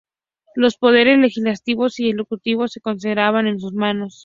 Los poderes legislativos y ejecutivos se concentraban en sus manos.